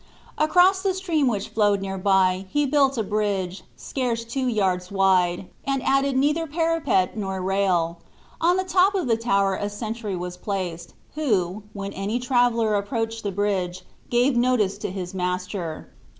Across the stream which flowed near by he built a bridge, scarce two yards wide, and added neither parapet nor rail. On the top of the tower a sentry was placed, who, when any traveller approached the bridge, gave notice to his master.